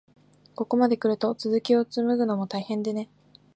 ここまでくると、続きをつむぐのも大変でね。